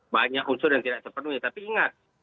banyak unsur yang tidak terpenuhi tapi ingat